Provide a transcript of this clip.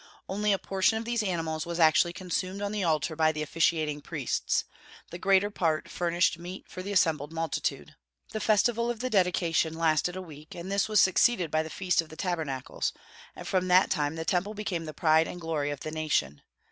Only a portion of these animals was actually consumed on the altar by the officiating priests: the greater part furnished meat for the assembled multitude. The Festival of the Dedication lasted a week, and this was succeeded by the Feast of the Tabernacles; and from that time the Temple became the pride and glory of the nation.